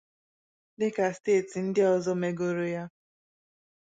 dịka steeti ndị ọzọ megoro ya